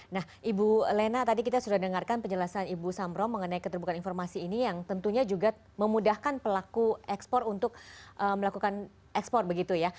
nah ibu lena tadi kita sudah dengarkan penjelasan ibu samro mengenai keterbukaan informasi ini yang tentunya juga memudahkan pelaku ekspor untuk melakukan ekspor begitu ya